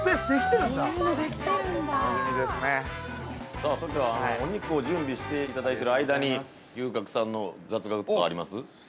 ◆さあそれでは、お肉を準備していただいている間に、牛角さんの雑学とかあります？